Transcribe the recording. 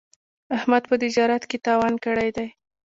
احمد په تجارت کې تاوان کړی دی.